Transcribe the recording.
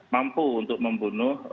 mampu untuk membunuh